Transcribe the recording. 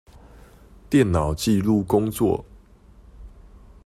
電腦紀錄工作